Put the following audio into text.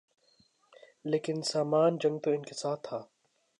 لیکن سامان جنگ تو ان کے ساتھ تھا۔